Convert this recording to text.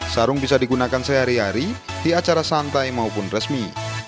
sarung bisa digunakan sehari hari di acara santai maupun resmi